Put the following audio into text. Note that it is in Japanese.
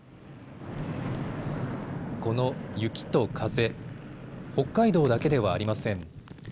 この雪と風、北海道だけではありません。